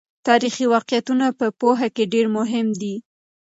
تاریخي واقعیتونه په پوهه کې ډېر مهم دي.